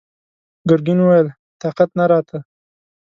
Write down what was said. ګرګين وويل: طاقت نه راته!